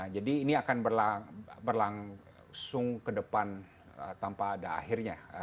jadi ini akan berlangsung ke depan tanpa ada akhirnya